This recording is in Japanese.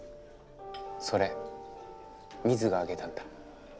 それミズがあげたんだ。